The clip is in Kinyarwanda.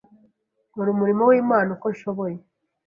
nkora umurimo w’Imana uko nshoboye